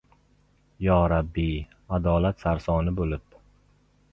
Yo Rabbiy, adolat sarsoni bo‘lib